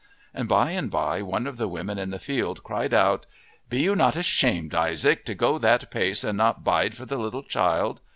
And by and by one of the women in the field cried out, "Be you not ashamed, Isaac, to go that pace and not bide for the little child!